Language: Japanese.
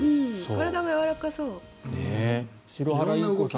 体がやわらかそう。